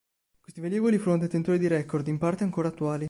Questi velivoli furono detentori di record, in parte ancora attuali.